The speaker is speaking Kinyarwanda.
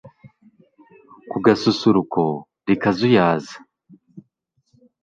ku gasusuruko rikazuyaza